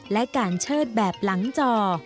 และการเชิดแบบหลังจอ